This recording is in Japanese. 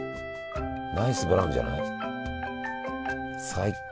ナイスブラウンじゃない？最高。